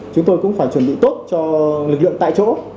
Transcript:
chúng tôi cũng phải chuẩn bị tốt cho lực lượng tại chỗ